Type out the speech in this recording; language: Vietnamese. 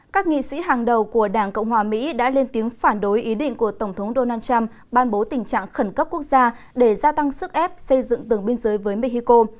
các nghị sĩ hàng đầu của đảng cộng hòa mỹ đã lên tiếng phản đối ý định của tổng thống donald trump ban bố tình trạng khẩn cấp quốc gia để gia tăng sức ép xây dựng tường biên giới với mexico